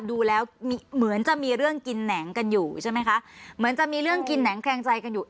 ดูแล้วเหมือนจะมีเรื่องกินแหนงกันอยู่ใช่ไหมคะเหมือนจะมีเรื่องกินแหนงแคลงใจกันอยู่